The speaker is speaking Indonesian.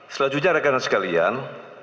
selanjutnya rekan rekan sekalian